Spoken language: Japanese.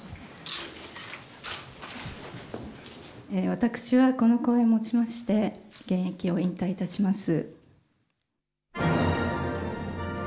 私はこの公演をもちまして現役を引退いたします。